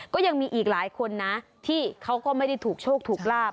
ก็ยังมีอีกหลายคนนะที่เขาก็ไม่ได้ถูกโชคถูกลาบ